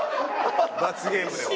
罰ゲームでは。